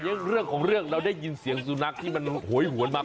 เรื่องของเรื่องเราได้ยินเสียงสุนัขที่มันโหยหวนมา